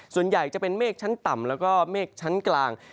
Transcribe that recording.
ส่วนใหญ่จะเป็นเมฆชั้นต่ำแล้วก็เมฆชั้นกลาง